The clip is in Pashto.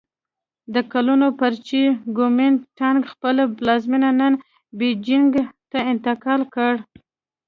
د کلونو پر چې ګومین ټانګ خپل پلازمېنه نن بیجینګ ته انتقال کړ.